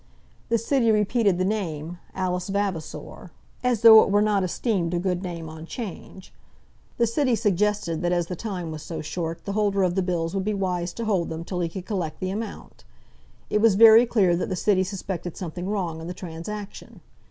The City repeated the name, Alice Vavasor, as though it were not esteemed a good name on Change. The City suggested that as the time was so short, the holder of the bills would be wise to hold them till he could collect the amount. It was very clear that the City suspected something wrong in the transaction.